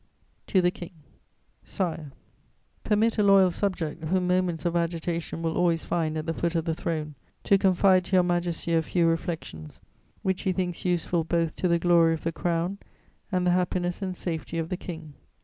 ] TO THE KING "SIRE, "Permit a loyal subject, whom moments of agitation will always find at the foot of the throne, to confide to Your Majesty a few reflections which he thinks useful both to the glory of the Crown and the happiness and safety of the King.